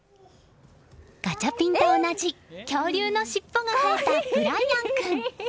ガチャピンと同じ恐竜の尻尾が生えたブライアン君。